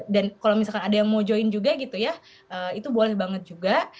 dan kalau misalkan ada yang mau join juga gitu ya itu boleh banget juga